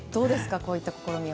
こういった試みは。